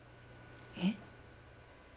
えっ？